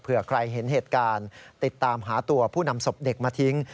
เพื่อใครเห็นเหตุการณ์ติดตามหาตัวผู้นำศพเด็กมาทิ้ง